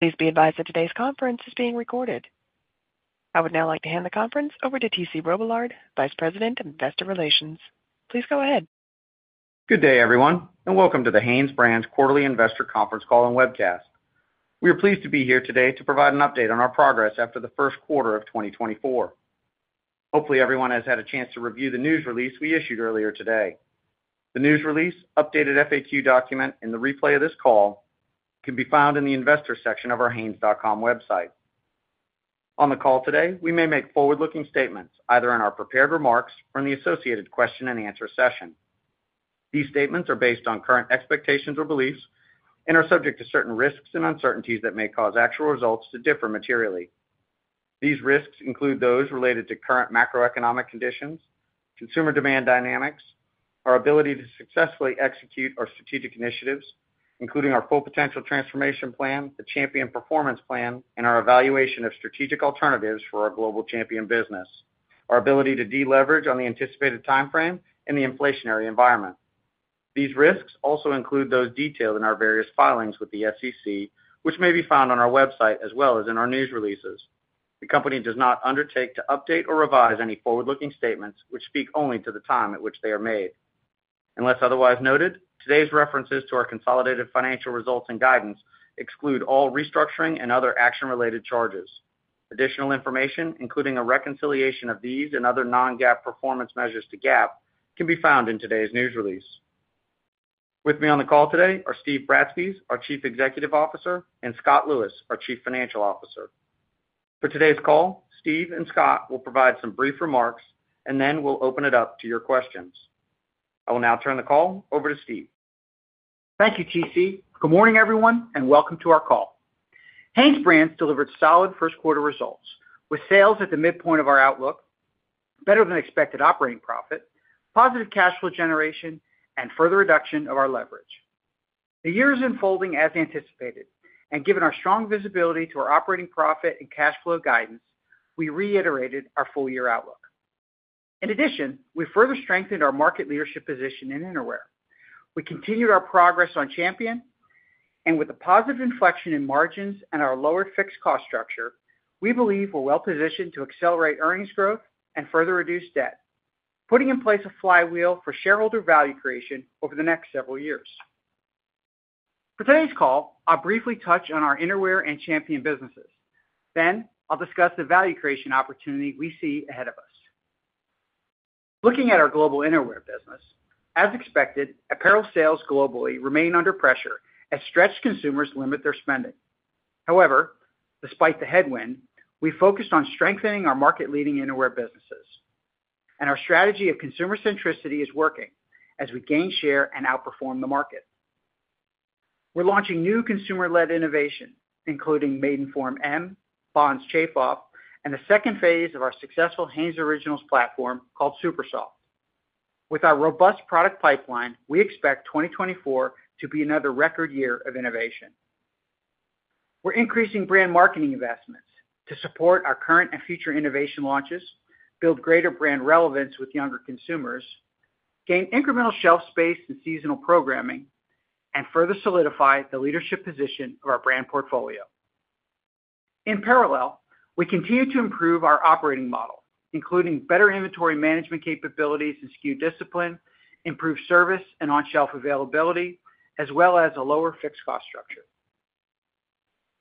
Please be advised that today's conference is being recorded. I would now like to hand the conference over to T.C. Robillard, Vice President of Investor Relations. Please go ahead. Good day, everyone, and welcome to the HanesBrands Quarterly Investor Conference Call and Webcast. We are pleased to be here today to provide an update on our progress after the first quarter of 2024. Hopefully, everyone has had a chance to review the news release we issued earlier today. The news release, updated FAQ document, and the replay of this call can be found in the investor section of our hanes.com website. On the call today, we may make forward-looking statements, either in our prepared remarks or in the associated question and answer session. These statements are based on current expectations or beliefs and are subject to certain risks and uncertainties that may cause actual results to differ materially. These risks include those related to current macroeconomic conditions, consumer demand dynamics, our ability to successfully execute our strategic initiatives, including our Full Potential Transformation Plan, the Champion Performance Plan, and our evaluation of strategic alternatives for our global Champion business, our ability to deleverage on the anticipated timeframe and the inflationary environment. These risks also include those detailed in our various filings with the SEC, which may be found on our website as well as in our news releases. The company does not undertake to update or revise any forward-looking statements which speak only to the time at which they are made. Unless otherwise noted, today's references to our consolidated financial results and guidance exclude all restructuring and other action-related charges. Additional information, including a reconciliation of these and other non-GAAP performance measures to GAAP, can be found in today's news release. With me on the call today are Steve Bratspies, our Chief Executive Officer, and Scott Lewis, our Chief Financial Officer. For today's call, Steve and Scott will provide some brief remarks, and then we'll open it up to your questions. I will now turn the call over to Steve. Thank you, T.C. Good morning, everyone, and welcome to our call. HanesBrands delivered solid first quarter results, with sales at the midpoint of our outlook, better than expected operating profit, positive cash flow generation, and further reduction of our leverage. The year is unfolding as anticipated, and given our strong visibility to our operating profit and cash flow guidance, we reiterated our full-year outlook. In addition, we further strengthened our market leadership position in Innerwear. We continued our progress on Champion, and with a positive inflection in margins and our lower fixed cost structure, we believe we're well positioned to accelerate earnings growth and further reduce debt, putting in place a flywheel for shareholder value creation over the next several years. For today's call, I'll briefly touch on our Innerwear and Champion businesses. Then, I'll discuss the value creation opportunity we see ahead of us. Looking at our global Innerwear business, as expected, apparel sales globally remain under pressure as stretched consumers limit their spending. However, despite the headwind, we focused on strengthening our market-leading Innerwear businesses, and our strategy of Consumer Centricity is working as we gain share and outperform the market. We're launching new consumer-led innovation, including M by Maidenform, Bonds Shape Up, and the second phase of our successful Hanes Originals platform called SuperSoft. With our robust product pipeline, we expect 2024 to be another record year of innovation. We're increasing brand marketing investments to support our current and future innovation launches, build greater brand relevance with younger consumers, gain incremental shelf space and seasonal programming, and further solidify the leadership position of our brand portfolio. In parallel, we continue to improve our operating model, including better inventory management capabilities and SKU discipline, improved service and on-shelf availability, as well as a lower fixed cost structure.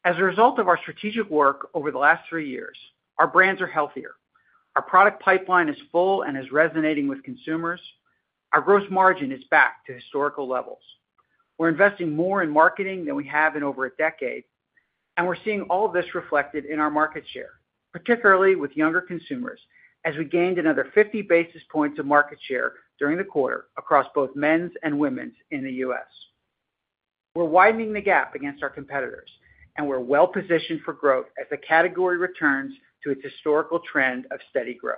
As a result of our strategic work over the last three years, our brands are healthier. Our product pipeline is full and is resonating with consumers. Our gross margin is back to historical levels. We're investing more in marketing than we have in over a decade, and we're seeing all of this reflected in our market share, particularly with younger consumers, as we gained another 50 basis points of market share during the quarter across both men's and women's in the US. We're widening the gap against our competitors, and we're well positioned for growth as the category returns to its historical trend of steady growth.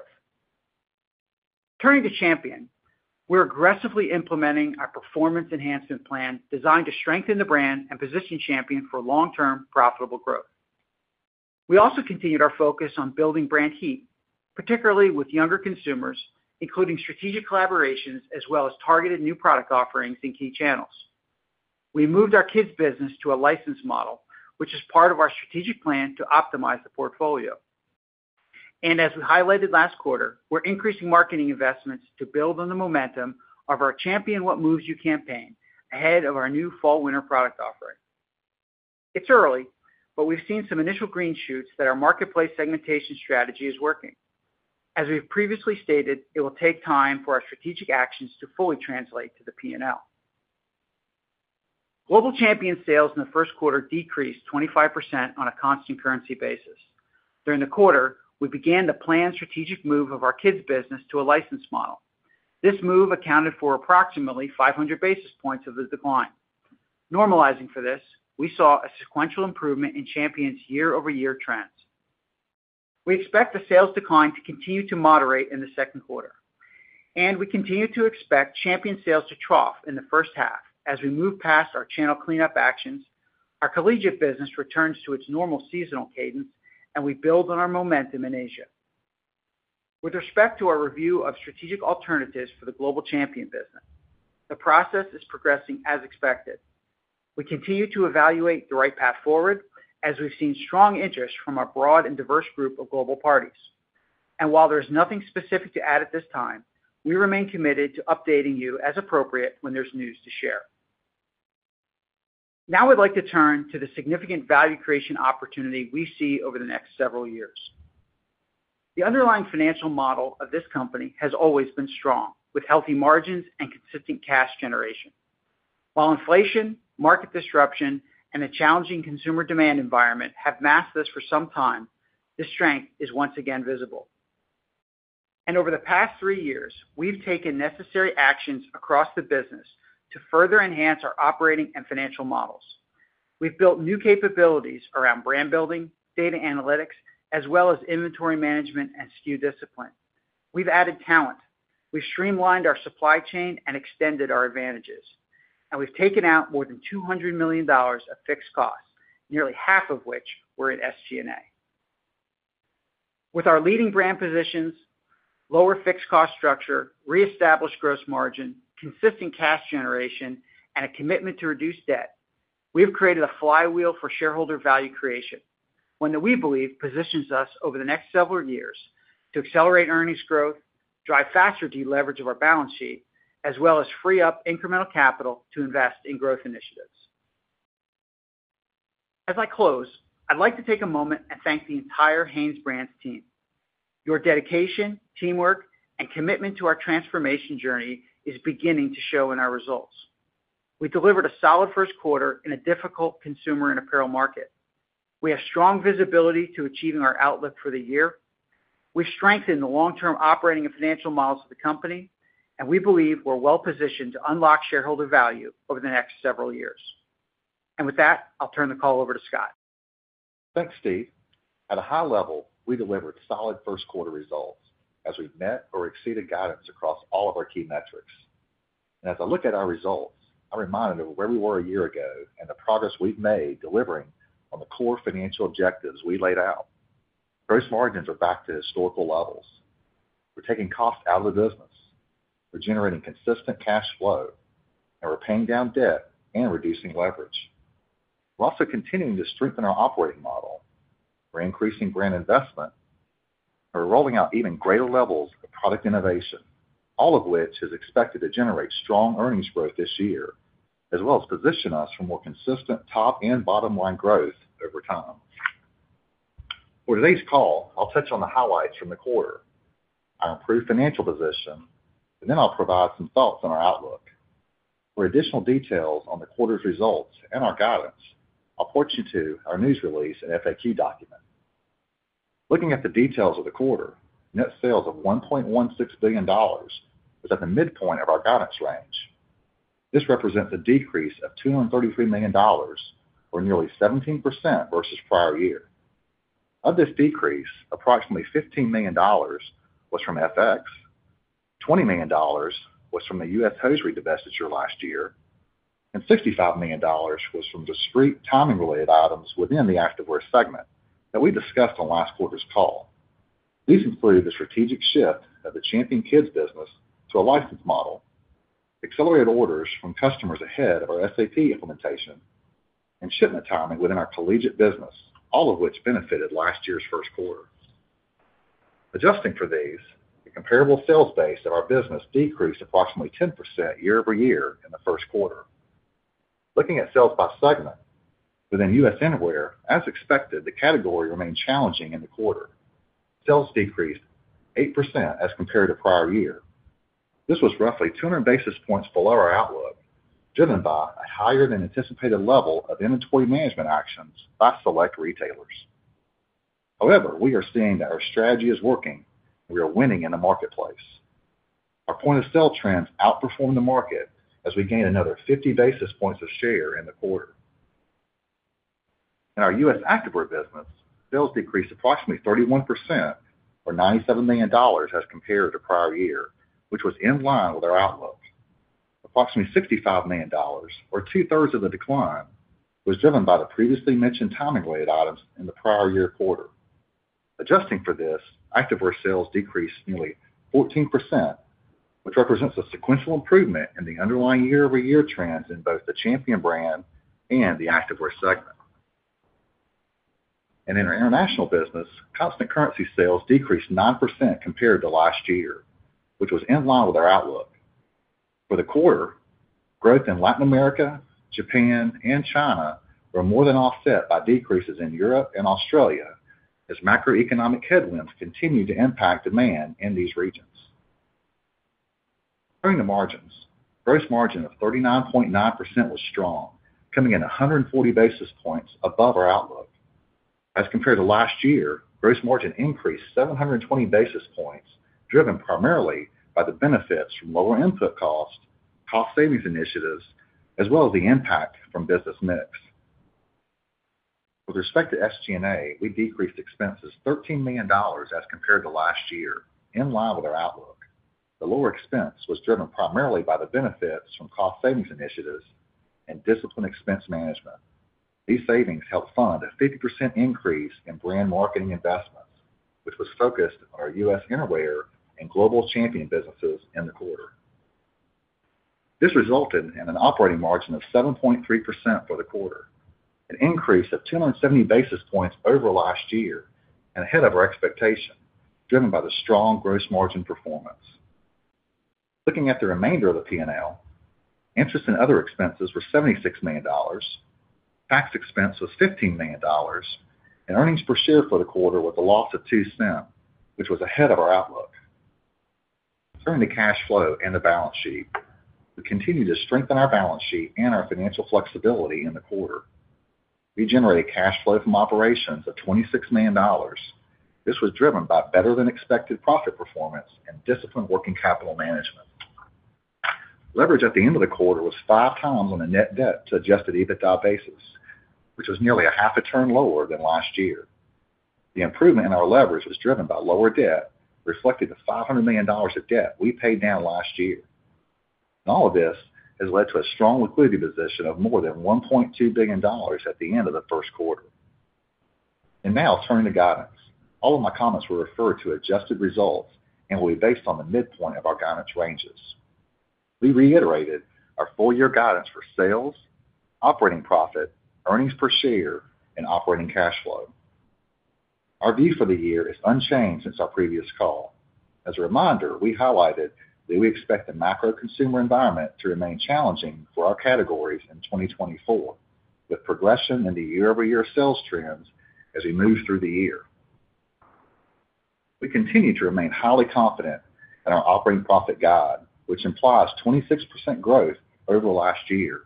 Turning to Champion, we're aggressively implementing our performance enhancement plan, designed to strengthen the brand and position Champion for long-term, profitable growth. We also continued our focus on building brand heat, particularly with younger consumers, including strategic collaborations as well as targeted new product offerings in key channels. We moved our kids business to a licensed model, which is part of our strategic plan to optimize the portfolio. As we highlighted last quarter, we're increasing marketing investments to build on the momentum of our Champion What Moves You campaign ahead of our new Fall/Winter product offering. It's early, but we've seen some initial green shoots that our marketplace segmentation strategy is working. As we have previously stated, it will take time for our strategic actions to fully translate to the P&L. Global Champion sales in the first quarter decreased 25% on a constant currency basis. During the quarter, we began the planned strategic move of our kids business to a license model. This move accounted for approximately 500 basis points of the decline. Normalizing for this, we saw a sequential improvement in Champion's year-over-year trends. We expect the sales decline to continue to moderate in the second quarter, and we continue to expect Champion sales to trough in the first half as we move past our channel cleanup actions, our collegiate business returns to its normal seasonal cadence, and we build on our momentum in Asia.... With respect to our review of strategic alternatives for the Global Champion business, the process is progressing as expected. We continue to evaluate the right path forward, as we've seen strong interest from a broad and diverse group of global parties. While there's nothing specific to add at this time, we remain committed to updating you as appropriate when there's news to share. Now, I'd like to turn to the significant value creation opportunity we see over the next several years. The underlying financial model of this company has always been strong, with healthy margins and consistent cash generation. While inflation, market disruption, and a challenging consumer demand environment have masked this for some time, this strength is once again visible. And over the past three years, we've taken necessary actions across the business to further enhance our operating and financial models. We've built new capabilities around brand building, data analytics, as well as inventory management and SKU discipline. We've added talent. We've streamlined our supply chain and extended our advantages, and we've taken out more than $200 million of fixed costs, nearly half of which were in SG&A. With our leading brand positions, lower fixed cost structure, reestablished gross margin, consistent cash generation, and a commitment to reduce debt, we have created a flywheel for shareholder value creation, one that we believe positions us over the next several years to accelerate earnings growth, drive faster deleverage of our balance sheet, as well as free up incremental capital to invest in growth initiatives. As I close, I'd like to take a moment and thank the entire HanesBrands team. Your dedication, teamwork, and commitment to our transformation journey is beginning to show in our results. We delivered a solid first quarter in a difficult consumer and apparel market. We have strong visibility to achieving our outlook for the year. We've strengthened the long-term operating and financial models of the company, and we believe we're well positioned to unlock shareholder value over the next several years. With that, I'll turn the call over to Scott. Thanks, Steve. At a high level, we delivered solid first quarter results as we've met or exceeded guidance across all of our key metrics. As I look at our results, I'm reminded of where we were a year ago and the progress we've made delivering on the core financial objectives we laid out. Gross margins are back to historical levels. We're taking cost out of the business. We're generating consistent cash flow, and we're paying down debt and reducing leverage. We're also continuing to strengthen our operating model. We're increasing brand investment, and we're rolling out even greater levels of product innovation, all of which is expected to generate strong earnings growth this year, as well as position us for more consistent top and bottom-line growth over time. For today's call, I'll touch on the highlights from the quarter, our improved financial position, and then I'll provide some thoughts on our outlook. For additional details on the quarter's results and our guidance, I'll point you to our news release and FAQ document. Looking at the details of the quarter, net sales of $1.16 billion was at the midpoint of our guidance range. This represents a decrease of $233 million, or nearly 17% versus prior year. Of this decrease, approximately $15 million was from FX, $20 million was from the U.S. Hosiery divestiture last year, and $65 million was from discrete timing-related items within the Activewear segment that we discussed on last quarter's call. These included the strategic shift of the Champion Kids business to a license model, accelerated orders from customers ahead of our SAP implementation, and shipment timing within our collegiate business, all of which benefited last year's first quarter. Adjusting for these, the comparable sales base of our business decreased approximately 10% year-over-year in the first quarter. Looking at sales by segment, within US Innerwear, as expected, the category remained challenging in the quarter. Sales decreased 8% as compared to prior year. This was roughly 200 basis points below our outlook, driven by a higher than anticipated level of inventory management actions by select retailers. However, we are seeing that our strategy is working, and we are winning in the marketplace. Our point-of-sale trends outperformed the market as we gained another 50 basis points of share in the quarter. In our U.S. Activewear business, sales decreased approximately 31%, or $97 million, as compared to prior year, which was in line with our outlook. Approximately $65 million, or two-thirds of the decline, was driven by the previously mentioned timing-related items in the prior year quarter. Adjusting for this, Activewear sales decreased nearly 14%, which represents a sequential improvement in the underlying year-over-year trends in both the Champion brand and the Activewear segment. And in our international business, constant currency sales decreased 9% compared to last year, which was in line with our outlook. For the quarter, growth in Latin America, Japan, and China were more than offset by decreases in Europe and Australia, as macroeconomic headwinds continue to impact demand in these regions. Turning to margins, gross margin of 39.9% was strong, coming in 140 basis points above our outlook. As compared to last year, gross margin increased 720 basis points, driven primarily by the benefits from lower input costs, cost savings initiatives, as well as the impact from business mix. With respect to SG&A, we decreased expenses $13 million as compared to last year, in line with our outlook. The lower expense was driven primarily by the benefits from cost savings initiatives and disciplined expense management. These savings helped fund a 50% increase in brand marketing investments, which was focused on our U.S. Innerwear and global Champion businesses in the quarter. This resulted in an operating margin of 7.3% for the quarter, an increase of 270 basis points over last year and ahead of our expectation, driven by the strong gross margin performance. Looking at the remainder of the P&L, interest and other expenses were $76 million, tax expense was $15 million, and earnings per share for the quarter was a loss of $0.02, which was ahead of our outlook. Turning to cash flow and the balance sheet. We continued to strengthen our balance sheet and our financial flexibility in the quarter. We generated cash flow from operations of $26 million. This was driven by better-than-expected profit performance and disciplined working capital management. Leverage at the end of the quarter was 5x on a net debt to adjusted EBITDA basis, which was nearly a half a turn lower than last year. The improvement in our leverage was driven by lower debt, reflecting the $500 million of debt we paid down last year. And all of this has led to a strong liquidity position of more than $1.2 billion at the end of the first quarter. And now turning to guidance. All of my comments will refer to adjusted results and will be based on the midpoint of our guidance ranges. We reiterated our full year guidance for sales, operating profit, earnings per share, and operating cash flow. Our view for the year is unchanged since our previous call. As a reminder, we highlighted that we expect the macro consumer environment to remain challenging for our categories in 2024, with progression in the year-over-year sales trends as we move through the year. We continue to remain highly confident in our operating profit guide, which implies 26% growth over the last year,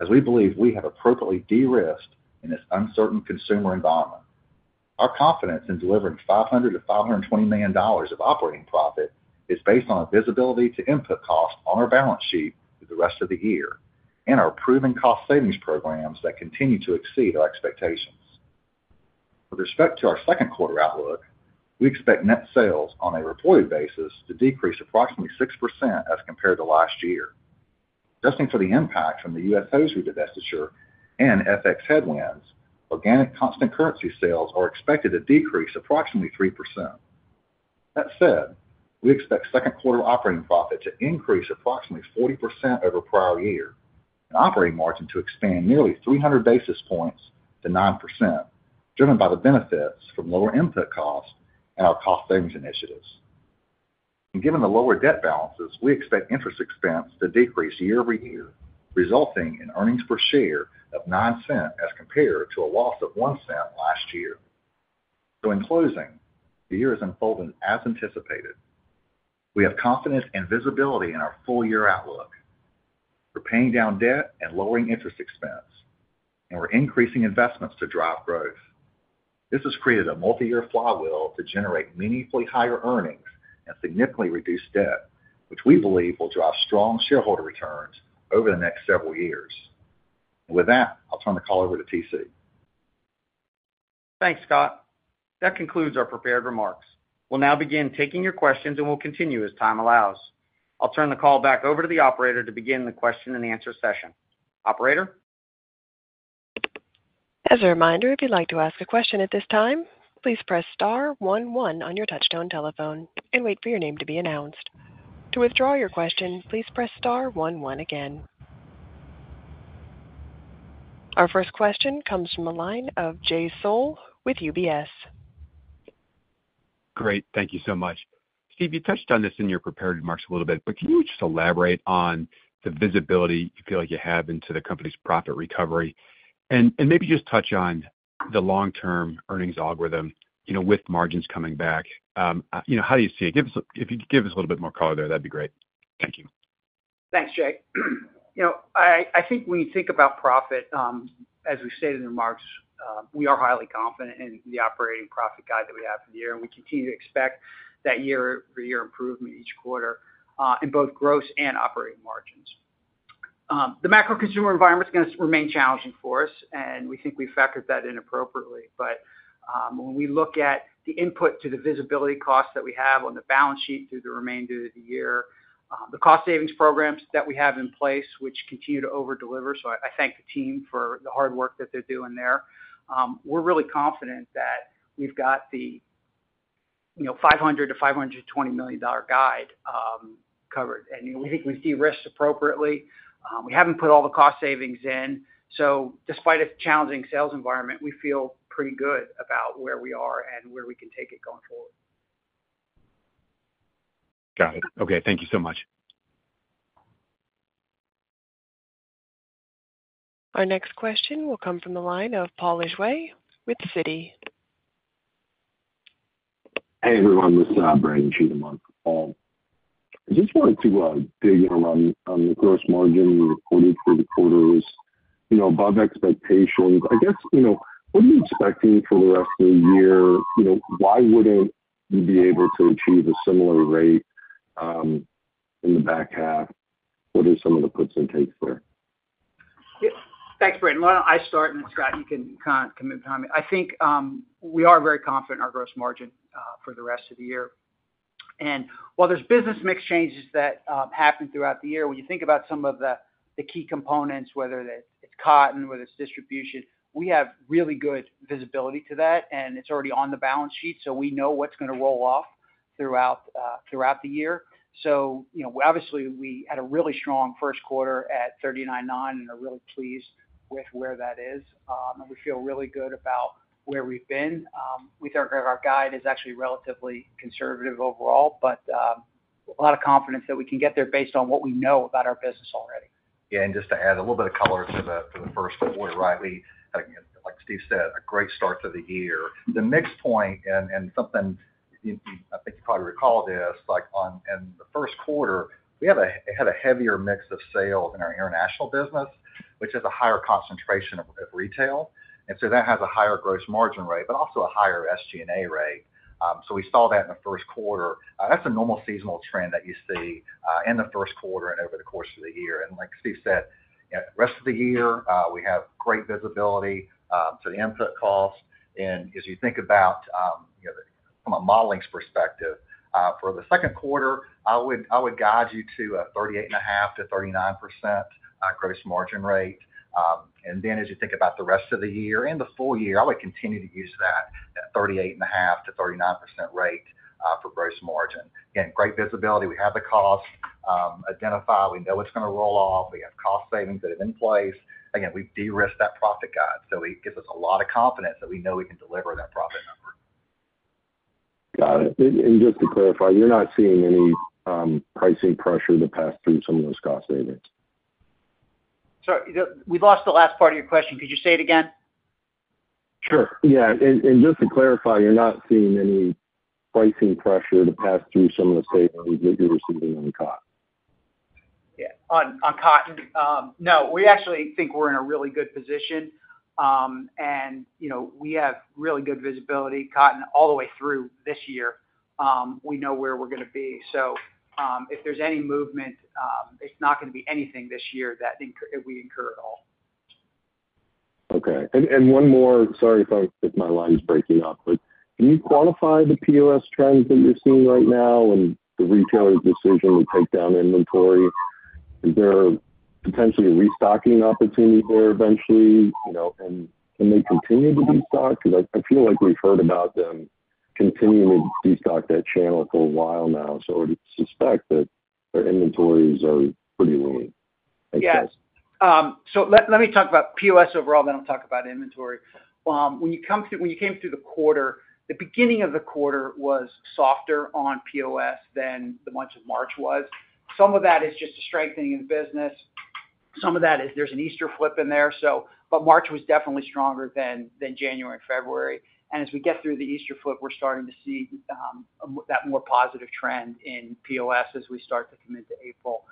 as we believe we have appropriately de-risked in this uncertain consumer environment. Our confidence in delivering $500 million-$520 million of operating profit is based on a visibility to input costs on our balance sheet through the rest of the year and our proven cost savings programs that continue to exceed our expectations. With respect to our second quarter outlook, we expect net sales on a reported basis to decrease approximately 6% as compared to last year. Adjusting for the impact from the U.S. Hosiery divestiture and FX headwinds, organic constant currency sales are expected to decrease approximately 3%. That said, we expect second quarter operating profit to increase approximately 40% over prior-year and operating margin to expand nearly 300 basis points to 9%, driven by the benefits from lower input costs and our cost savings initiatives. And given the lower debt balances, we expect interest expense to decrease year-over-year, resulting in earnings per share of $0.09 as compared to a loss of $0.01 last year. So in closing, the year is unfolding as anticipated. We have confidence and visibility in our full year outlook. We're paying down debt and lowering interest expense, and we're increasing investments to drive growth. This has created a multiyear flywheel to generate meaningfully higher earnings and significantly reduce debt, which we believe will drive strong shareholder returns over the next several years. With that, I'll turn the call over to TC. Thanks, Scott. That concludes our prepared remarks. We'll now begin taking your questions, and we'll continue as time allows. I'll turn the call back over to the operator to begin the question and answer session. Operator? As a reminder, if you'd like to ask a question at this time, please press star one one on your touchtone telephone and wait for your name to be announced. To withdraw your question, please press star one one again. Our first question comes from the line of Jay Sole with UBS. Great. Thank you so much. Steve, you touched on this in your prepared remarks a little bit, but can you just elaborate on the visibility you feel like you have into the company's profit recovery? And maybe just touch on the long-term earnings algorithm, you know, with margins coming back. You know, how do you see it? If you could give us a little bit more color there, that'd be great. Thank you. Thanks, Jay. You know, I think when you think about profit, as we stated in the remarks, we are highly confident in the operating profit guide that we have for the year, and we continue to expect that year-over-year improvement each quarter, in both gross and operating margins. The macro consumer environment is gonna remain challenging for us, and we think we've factored that in appropriately. But, when we look at the input to the visibility costs that we have on the balance sheet through the remainder of the year, the cost savings programs that we have in place, which continue to overdeliver. So I thank the team for the hard work that they're doing there. We're really confident that we've got the, you know, $500 million-$520 million guide covered, and, you know, we think we de-risked appropriately. We haven't put all the cost savings in, so despite a challenging sales environment, we feel pretty good about where we are and where we can take it going forward. Got it. Okay, thank you so much. Our next question will come from the line of Paul Lejuez with Citi. Hey, everyone, this is Brandon Cheatham on for Paul. I just wanted to dig in around, on the gross margin you reported for the quarter was, you know, above expectations. I guess, you know, what are you expecting for the rest of the year? You know, why wouldn't you be able to achieve a similar rate in the back half? What are some of the puts and takes there?... Yep. Thanks, Brandon. Why don't I start, and Scott, you can come in behind me. I think, we are very confident in our gross margin for the rest of the year. And while there's business mix changes that, happen throughout the year, when you think about some of the, the key components, whether that it's cotton, whether it's distribution, we have really good visibility to that, and it's already on the balance sheet, so we know what's gonna roll off throughout, throughout the year. So, you know, obviously, we had a really strong first quarter at 39.9%, and are really pleased with where that is. And we feel really good about where we've been. We think our guide is actually relatively conservative overall, but a lot of confidence that we can get there based on what we know about our business already. Yeah, and just to add a little bit of color to the first quarter, rightly, like, like Steve said, a great start to the year. The mix point and, and something you—I think you probably recall this, like, on, in the first quarter, we had a heavier mix of sales in our international business, which is a higher concentration of retail, and so that has a higher gross margin rate, but also a higher SG&A rate. So we saw that in the first quarter. That's a normal seasonal trend that you see in the first quarter and over the course of the year. And like Steve said, you know, the rest of the year, we have great visibility to the input costs. As you think about, you know, from a modeling's perspective, for the second quarter, I would, I would guide you to a 38.5%-39% gross margin rate. And then as you think about the rest of the year and the full year, I would continue to use that, that 38.5%-39% rate for gross margin. Again, great visibility. We have the costs identified. We know it's gonna roll off. We have cost savings that are in place. Again, we've de-risked that profit guide, so it gives us a lot of confidence that we know we can deliver that profit number. Got it. And just to clarify, you're not seeing any pricing pressure to pass through some of those cost savings? Sorry, we lost the last part of your question. Could you say it again? Sure, yeah. And just to clarify, you're not seeing any pricing pressure to pass through some of the savings that you're receiving on cotton? Yeah, on cotton? No, we actually think we're in a really good position. You know, we have really good visibility on cotton all the way through this year. We know where we're gonna be. So, if there's any movement, it's not gonna be anything this year that we incur at all. Okay. And one more. Sorry if I—if my line's breaking up, but can you quantify the POS trends that you're seeing right now and the retailers' decision to take down inventory? Is there potentially a restocking opportunity there eventually? You know, and they continue to destock? 'Cause I feel like we've heard about them continuing to destock that channel for a while now. So I would suspect that their inventories are pretty low, I guess. Yeah. So let me talk about POS overall, then I'll talk about inventory. When you came through the quarter, the beginning of the quarter was softer on POS than the month of March was. Some of that is just a strengthening in business. Some of that is there's an Easter flip in there, so. But March was definitely stronger than January and February. And as we get through the Easter flip, we're starting to see a more positive trend in POS as we start to come into April.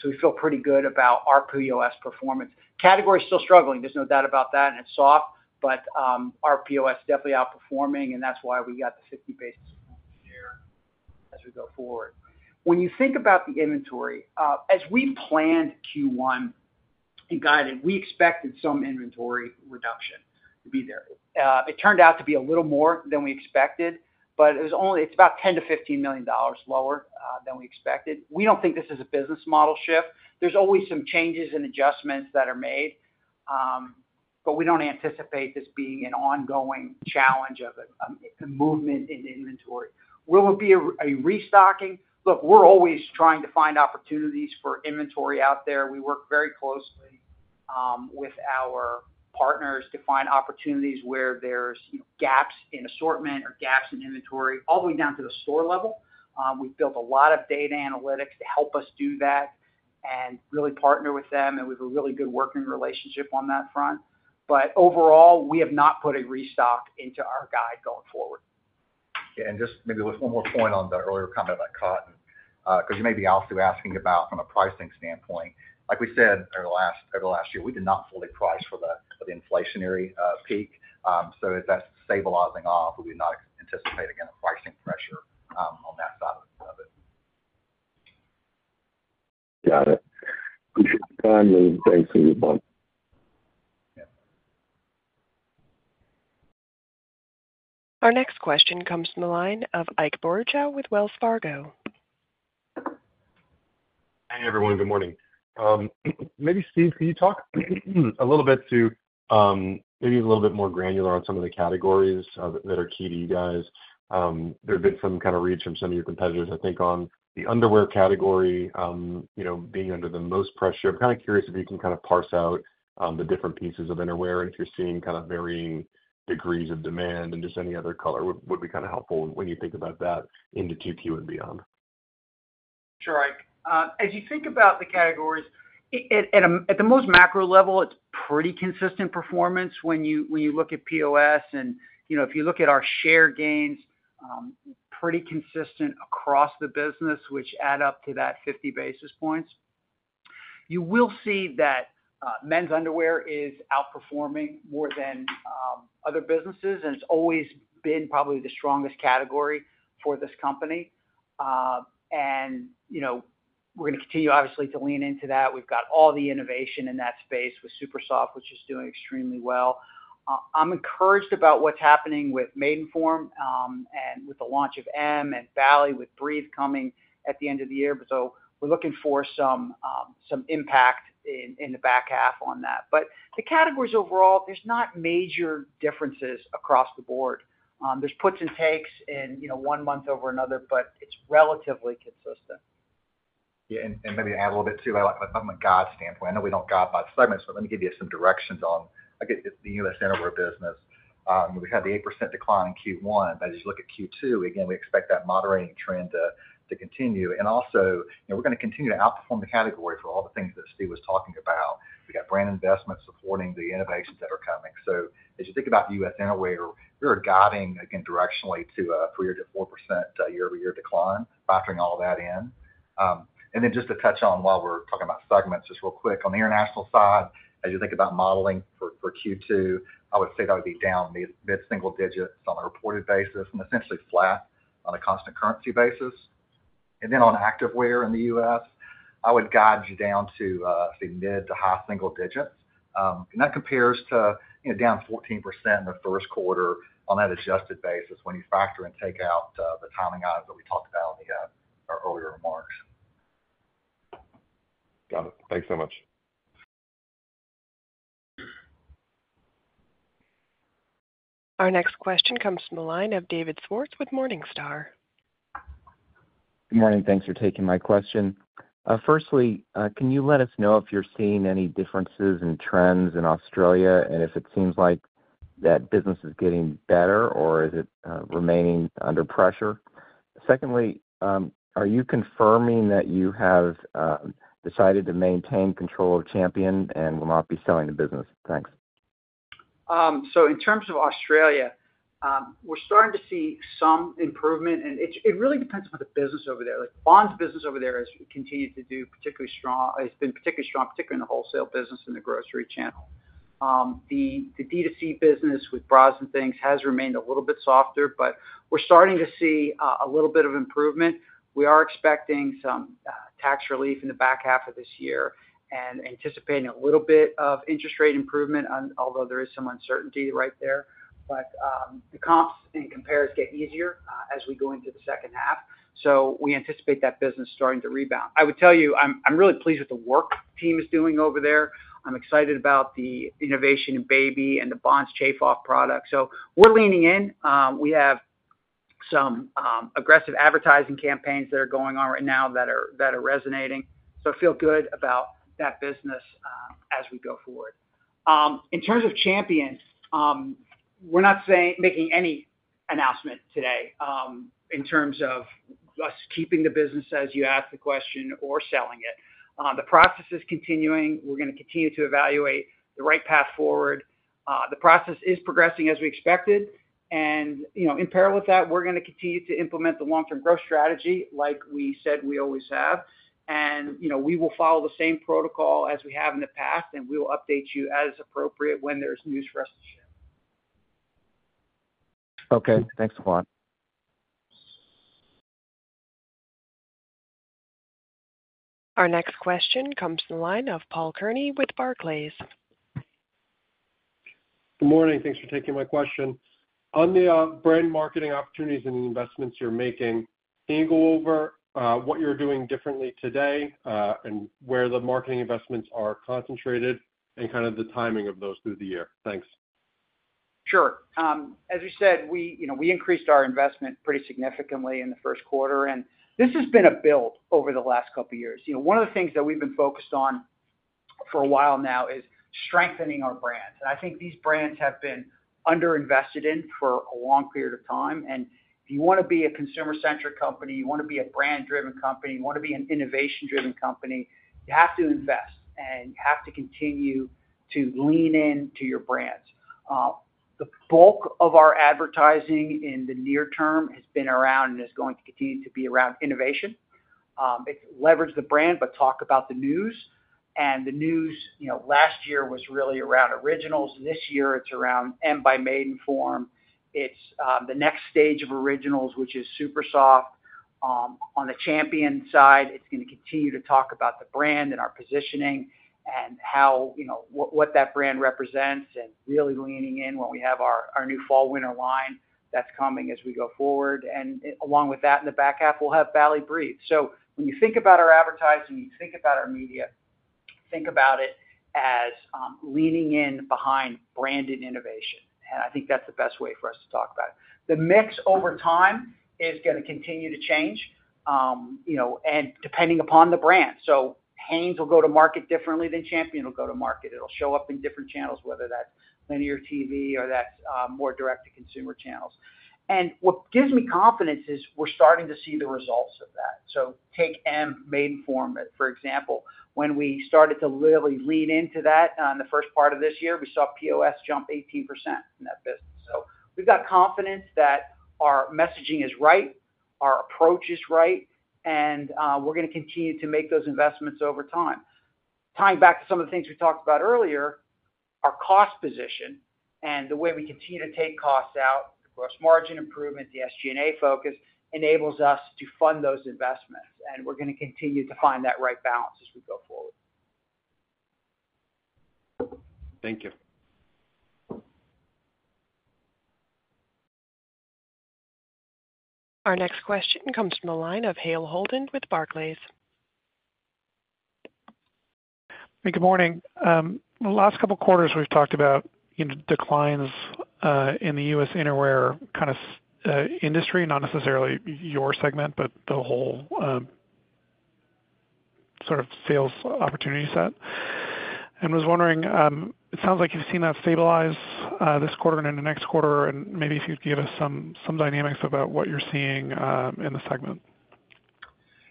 So we feel pretty good about our POS performance. Category is still struggling, there's no doubt about that, and it's soft, but our POS is definitely outperforming, and that's why we got the 50 basis points share as we go forward. When you think about the inventory, as we planned Q1 and guided, we expected some inventory reduction to be there. It turned out to be a little more than we expected, but it was only about $10-$15 million lower than we expected. We don't think this is a business model shift. There's always some changes and adjustments that are made, but we don't anticipate this being an ongoing challenge of a movement in inventory. Will it be a restocking? Look, we're always trying to find opportunities for inventory out there. We work very closely with our partners to find opportunities where there's, you know, gaps in assortment or gaps in inventory, all the way down to the store level. We've built a lot of data analytics to help us do that and really partner with them, and we have a really good working relationship on that front. Overall, we have not put a restock into our guide going forward. Yeah, and just maybe with one more point on the earlier comment about cotton, 'cause you may be also asking about from a pricing standpoint. Like we said, over the last, over the last year, we did not fully price for the, for the inflationary, peak. So as that's stabilizing off, we do not anticipate, again, a pricing pressure, on that side of it. Got it. Appreciate the time and thanks for your input. Yeah. Our next question comes from the line of Ike Boruchow with Wells Fargo. Hi, everyone. Good morning. Maybe Steve, can you talk a little bit to, maybe a little bit more granular on some of the categories, that are key to you guys? There have been some kind of reads from some of your competitors, I think, on the underwear category, you know, being under the most pressure. I'm kind of curious if you can kind of parse out, the different pieces of innerwear, and if you're seeing kind of varying degrees of demand and just any other color would be kind of helpful when you think about that into 2Q and beyond. Sure, Ike. As you think about the categories, at the most macro level, it's pretty consistent performance when you look at POS and, you know, if you look at our share gains, pretty consistent across the business, which add up to that 50 basis points. You will see that men's underwear is outperforming more than other businesses, and it's always been probably the strongest category for this company. And, you know, we're gonna continue, obviously, to lean into that. We've got all the innovation in that space with Supersoft, which is doing extremely well. I'm encouraged about what's happening with Maidenform and with the launch of M and Bali, with Breathe coming at the end of the year. So we're looking for some impact in the back half on that. But the categories overall, there's not major differences across the board. There's puts and takes in, you know, one month over another, but it's relatively consistent. Yeah, and maybe to add a little bit, too, like from a guide standpoint, I know we don't guide by segment, so let me give you some directions on, I guess, the U.S. Innerwear business. We had the 8% decline in Q1, but as you look at Q2, again, we expect that moderating trend to continue. And also, you know, we're gonna continue to outperform the category for all the things that Steve was talking about. We've got brand investments supporting the innovations that are coming. So as you think about U.S. Innerwear, we're guiding, again, directionally to a 3%-4% year-over-year decline, factoring all that in. And then just to touch on, while we're talking about segments, just real quick, on the international side, as you think about modeling for Q2, I would say that would be down mid-single digits on a reported basis and essentially flat on a constant currency basis. And then on Activewear in the U.S., I would guide you down to, say, mid to high single digits. And that compares to, you know, down 14% in the first quarter on that adjusted basis, when you factor and take out the timing items that we talked about in the our earlier remarks. Got it. Thanks so much. Our next question comes from the line of David Swartz with Morningstar. Good morning, thanks for taking my question. Firstly, can you let us know if you're seeing any differences in trends in Australia, and if it seems like that business is getting better, or is it remaining under pressure? Secondly, are you confirming that you have decided to maintain control of Champion and will not be selling the business? Thanks. So in terms of Australia, we're starting to see some improvement, and it really depends on the business over there. Like, Bonds business over there has continued to do particularly strong, it's been particularly strong, particularly in the wholesale business in the grocery channel. The D2C business with bras and things has remained a little bit softer, but we're starting to see a little bit of improvement. We are expecting some tax relief in the back half of this year and anticipating a little bit of interest rate improvement, although there is some uncertainty right there. But the comps and compares get easier as we go into the second half, so we anticipate that business starting to rebound. I would tell you, I'm really pleased with the work team is doing over there. I'm excited about the innovation in Baby and the Bonds Chafe Off product, so we're leaning in. We have some aggressive advertising campaigns that are going on right now that are resonating, so I feel good about that business as we go forward. In terms of Champion, we're not making any announcement today in terms of us keeping the business, as you asked the question, or selling it. The process is continuing. We're gonna continue to evaluate the right path forward. The process is progressing as we expected, and you know, in parallel with that, we're gonna continue to implement the long-term growth strategy, like we said we always have. And you know, we will follow the same protocol as we have in the past, and we will update you as appropriate when there's news for us to share. Okay, thanks a lot. Our next question comes from the line of Paul Kearney with Barclays. Good morning, thanks for taking my question. On the brand marketing opportunities and investments you're making, can you go over what you're doing differently today, and where the marketing investments are concentrated and kind of the timing of those through the year? Thanks. Sure. As you said, we, you know, we increased our investment pretty significantly in the first quarter, and this has been a build over the last couple of years. You know, one of the things that we've been focused on for a while now is strengthening our brands. I think these brands have been underinvested in for a long period of time. If you wanna be a consumer-centric company, you wanna be a brand-driven company, you wanna be an innovation-driven company, you have to invest, and you have to continue to lean into your brands. The bulk of our advertising in the near term has been around and is going to continue to be around innovation. It levers the brand, but talk about the news. The news, you know, last year was really around originals. This year, it's around M by Maidenform. It's the next stage of Originals, which is SuperSoft. On the Champion side, it's gonna continue to talk about the brand and our positioning and how, you know, what that brand represents and really leaning in when we have our new fall/winter line that's coming as we go forward. And along with that, in the back half, we'll have Bali Breathe. So when you think about our advertising, you think about our media, think about it as, leaning in behind brand and innovation, and I think that's the best way for us to talk about it. The mix over time is gonna continue to change, you know, and depending upon the brand. So Hanes will go to market differently than Champion will go to market. It'll show up in different channels, whether that's linear TV or that's, more direct-to-consumer channels. And what gives me confidence is we're starting to see the results of that. So take M by Maidenform, for example. When we started to literally lean into that, in the first part of this year, we saw POS jump 18% in that business. So we've got confidence that our messaging is right, our approach is right, and we're gonna continue to make those investments over time. Tying back to some of the things we talked about earlier, our cost position and the way we continue to take costs out, gross margin improvement, the SG&A focus, enables us to fund those investments, and we're gonna continue to find that right balance as we go forward. Thank you. Our next question comes from the line of Hale Holden with Barclays. Good morning. The last couple quarters, we've talked about, you know, declines in the U.S. Innerwear kind of industry, not necessarily your segment, but the whole sort of sales opportunity set. And was wondering, it sounds like you've seen that stabilize this quarter and into next quarter, and maybe if you'd give us some, some dynamics about what you're seeing in the segment?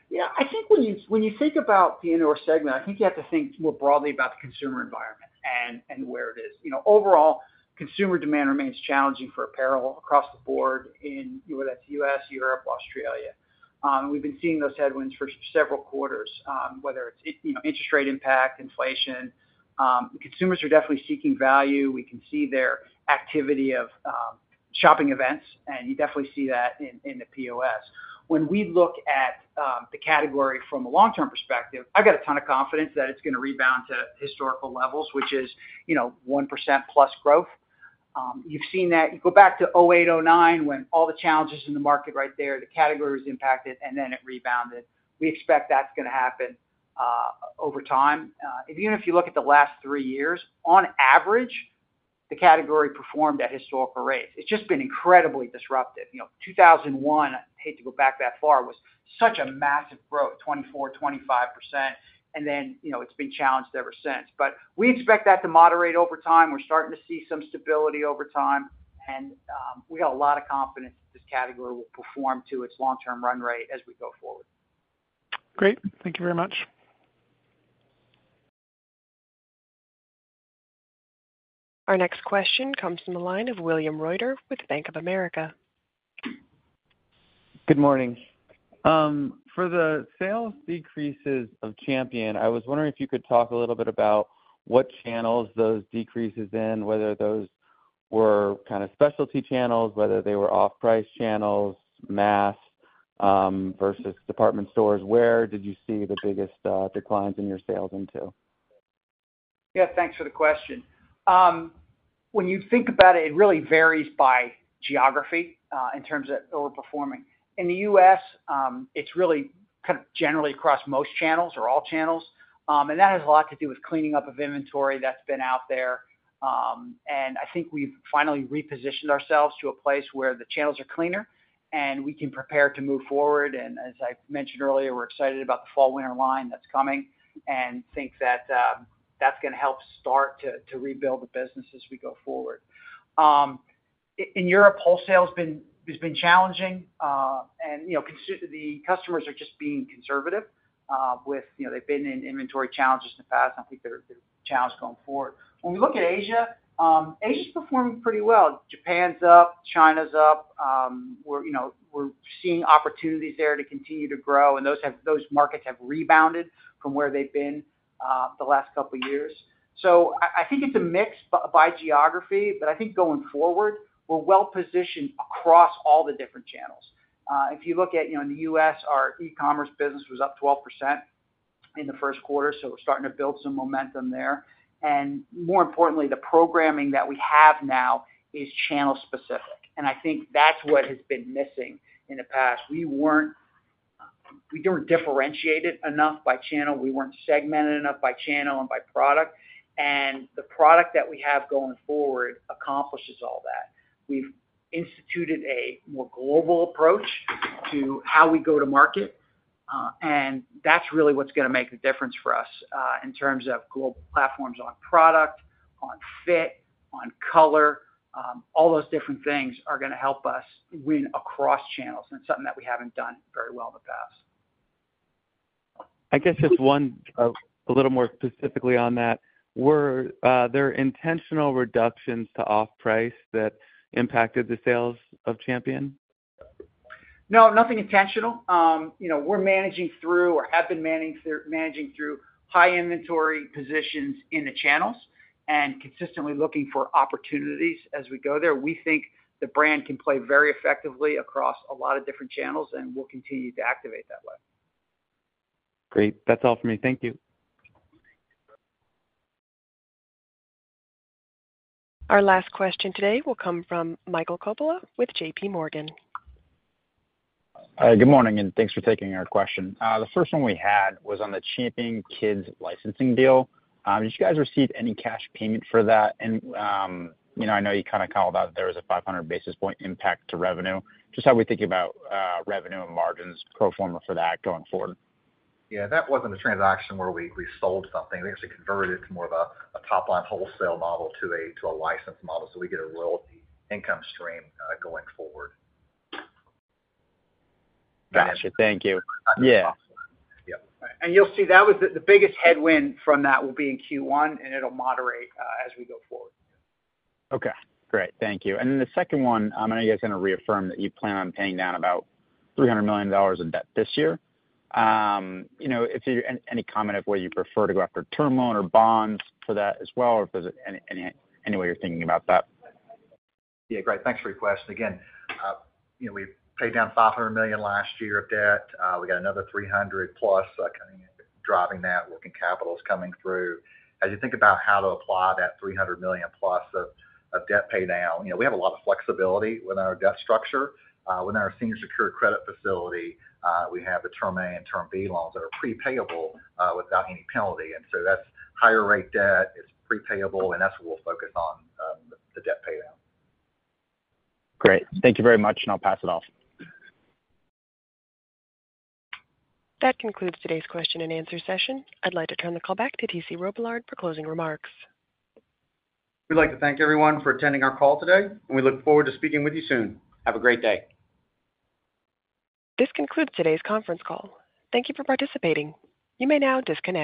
Yeah, I think when you, when you think about the Innerwear segment, I think you have to think more broadly about the consumer environment and, and where it is. You know, overall, consumer demand remains challenging for apparel across the board in, whether that's US, Europe, Australia. We've been seeing those headwinds for several quarters, whether it's you know, interest rate impact, inflation. The consumers are definitely seeking value. We can see their activity of shopping events, and you definitely see that in the POS. When we look at the category from a long-term perspective, I've got a ton of confidence that it's gonna rebound to historical levels, which is, you know, 1% plus growth. You've seen that... You go back to 2008, 2009, when all the challenges in the market right there, the category was impacted, and then it rebounded. We expect that's gonna happen over time. Even if you look at the last three years, on average, the category performed at historical rates. It's just been incredibly disruptive. You know, 2001, I hate to go back that far, was such a massive growth, 24%-25%, and then, you know, it's been challenged ever since. But we expect that to moderate over time. We're starting to see some stability over time, and we got a lot of confidence that this category will perform to its long-term run rate as we go forward. Great. Thank you very much. Our next question comes from the line of William Reuter with Bank of America. Good morning. For the sales decreases of Champion, I was wondering if you could talk a little bit about what channels those decreases in, whether those were kind of specialty channels, whether they were off-price channels, mass, versus department stores. Where did you see the biggest declines in your sales into? Yeah, thanks for the question. When you think about it, it really varies by geography, in terms of overperforming. In the U.S., it's really kind of generally across most channels or all channels, and that has a lot to do with cleaning up of inventory that's been out there. And I think we've finally repositioned ourselves to a place where the channels are cleaner, and we can prepare to move forward, and as I mentioned earlier, we're excited about the fall/winter line that's coming, and think that, that's gonna help start to rebuild the business as we go forward. In Europe, wholesale has been challenging, and, you know, the customers are just being conservative, with, you know, they've been in inventory challenges in the past, and I think there are challenges going forward. When we look at Asia, Asia's performing pretty well. Japan's up, China's up, you know, we're seeing opportunities there to continue to grow, and those markets have rebounded from where they've been the last couple years. So I think it's a mix by geography, but I think going forward, we're well positioned across all the different channels. If you look at, you know, in the US, our e-commerce business was up 12% in the first quarter, so we're starting to build some momentum there. More importantly, the programming that we have now is channel specific, and I think that's what has been missing in the past. We weren't, we weren't differentiated enough by channel, we weren't segmented enough by channel and by product, and the product that we have going forward accomplishes all that. We've instituted a more global approach to how we go to market, and that's really what's gonna make the difference for us, in terms of global platforms on product, on fit, on color, all those different things are gonna help us win across channels, and it's something that we haven't done very well in the past. I guess just one, a little more specifically on that. Were there intentional reductions to off-price that impacted the sales of Champion? No, nothing intentional. You know, we're managing through high inventory positions in the channels and consistently looking for opportunities as we go there. We think the brand can play very effectively across a lot of different channels, and we'll continue to activate that way. Great. That's all for me. Thank you. Our last question today will come from Michael Coppola with JP Morgan. Good morning, and thanks for taking our question. The first one we had was on the Champion Kids licensing deal. Did you guys receive any cash payment for that? You know, I know you kind of called out there was a 500 basis point impact to revenue. Just how are we thinking about revenue and margins pro forma for that going forward? Yeah, that wasn't a transaction where we sold something. We actually converted it to more of a top-line wholesale model to a license model, so we get a royalty income stream going forward. Gotcha. Thank you. Yeah. Yep. You'll see that was the biggest headwind from that will be in Q1, and it'll moderate as we go forward. Okay, great. Thank you. And then the second one, I know you guys are gonna reaffirm that you plan on paying down about $300 million in debt this year. You know, if you... any comment on whether you prefer to go after term loan or bonds for that as well, or if there's any, any, any way you're thinking about that? Yeah, great. Thanks for your question. Again, you know, we paid down $500 million last year of debt. We got another $300 million plus coming in, driving that, working capital is coming through. As you think about how to apply that $300 million plus of, of debt pay down, you know, we have a lot of flexibility with our debt structure. Within our senior secured credit facility, we have the Term A and Term B loans that are pre-payable without any penalty. And so that's higher rate debt, it's pre-payable, and that's what we'll focus on, the, the debt pay down. Great. Thank you very much, and I'll pass it off. That concludes today's question and answer session. I'd like to turn the call back to T.C. Robillard for closing remarks. We'd like to thank everyone for attending our call today, and we look forward to speaking with you soon. Have a great day. This concludes today's conference call. Thank you for participating. You may now disconnect.